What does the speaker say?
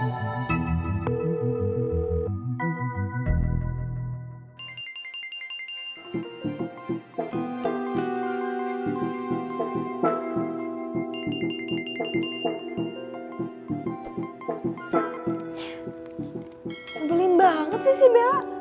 maksudnya belin banget sih bella